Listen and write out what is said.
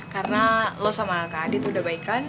karena lo sama kak adit udah baik kan